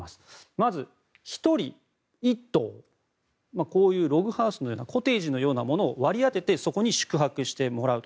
まず、１人１棟こういうログハウスのようなコテージのようなものを割り当ててそこに宿泊してもらうと。